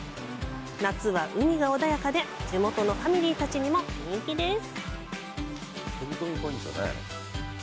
夏は海が穏やかで地元のファミリーたちにも人気です。